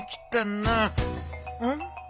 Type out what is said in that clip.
うん？